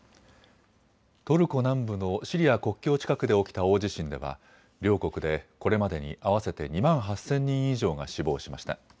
トルコ南部のシリア国境近くで起きた大地震では両国でこれまでに合わせて２万８０００人以上が死亡しました。